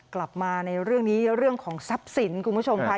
กลับมาในเรื่องนี้เรื่องของทรัพย์สินคุณผู้ชมค่ะ